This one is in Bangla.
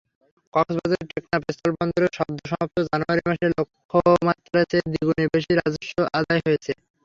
কক্সবাজারের টেকনাফ স্থলবন্দরে সদ্যসমাপ্ত জানুয়ারি মাসে লক্ষ্যমাত্রার চেয়ে দ্বিগুণের বেশি রাজস্ব আদায় হয়েছে।